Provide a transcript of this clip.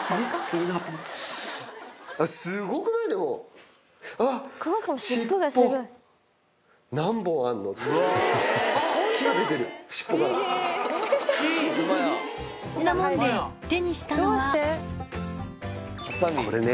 んなもんで手にしたのはこれね。